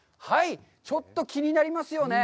ちょっと気になりますよね？